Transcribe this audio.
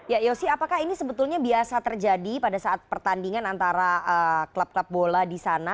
ya yosi apakah ini sebetulnya biasa terjadi pada saat pertandingan antara klub klub bola di sana